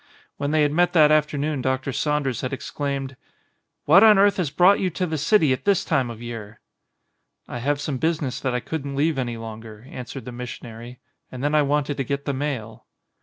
When they had met that afternoon Dr. Saunders had exclaimed: "What on earth has brought you to the city at this time of year?" "I have some business that I couldn't leave any longer," answered the missionary, "and then I wanted to get the mail."